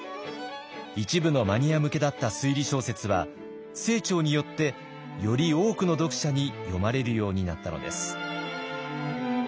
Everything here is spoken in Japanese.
一部のマニア向けだった推理小説は清張によってより多くの読者に読まれるようになったのです。